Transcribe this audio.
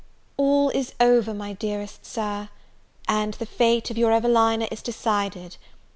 ALL is over, my dearest Sir; and the fate of your Evelina is decided!